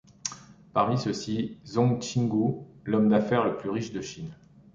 Parmi ceux-ci, Zong Qinghou, l'homme d'affaire le plus riche de Chine.